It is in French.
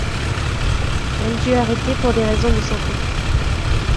Elle dut arrêter pour des raisons de santé.